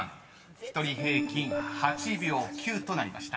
［１人平均８秒９となりました］